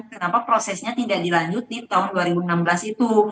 kenapa prosesnya tidak dilanjut di tahun dua ribu enam belas itu